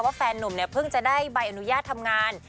ว่าแฟนหนุ่มเพิ่งจะได้ใบอนุญาตทำงาน